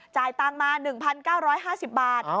จ่ายตังค์มา๑๙๕๐บาท